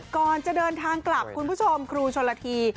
ก่อนจะเดินทางกลับคุณผู้ชมครูชนละที